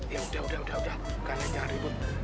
ya udah udah udah bukan aja ribut